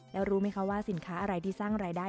แล้วรู้ไหมคะว่าสินค้าอะไรที่สร้างรายได้